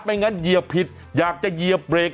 ไม่อย่างนั้นเหยียบผิดอยากจะเหยียบเบรก